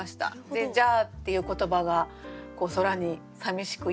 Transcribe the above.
で「じゃあ」っていう言葉が空にさみしく